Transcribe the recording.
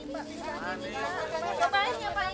makan aja nih mbak